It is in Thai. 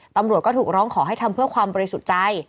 ตำรวจก็ถูกร้องขอให้ทำเพื่อความบริสุทธิ์ใจ